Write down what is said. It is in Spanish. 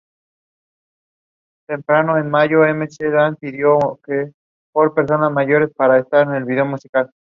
Su superior jerárquico es la Corte Suprema.